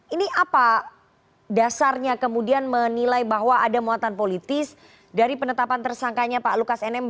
ini apa dasarnya kemudian menilai bahwa ada muatan politis dari penetapan tersangkanya pak lukas nmb